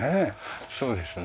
そうですね。